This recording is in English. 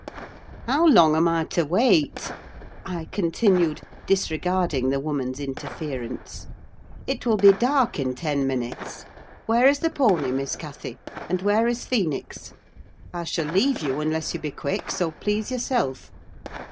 "How long am I to wait?" I continued, disregarding the woman's interference. "It will be dark in ten minutes. Where is the pony, Miss Cathy? And where is Phoenix? I shall leave you, unless you be quick; so please yourself."